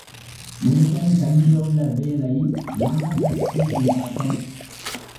முருகன் கையிலுள்ள வேலை ஞானசக்தி என்பார்கள்.